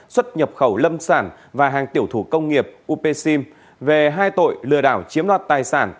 xuất nhập khẩu lâm sản và hàng tiểu thủ công nghiệp upsim về hai tội lừa đảo chiếm loạt tài sản